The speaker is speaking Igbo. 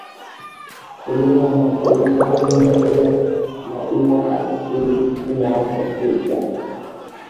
kelee ya maka ezi ọrụ mmepe ya nà inwòghàrị ndụ ụmụafọ steeti ahụ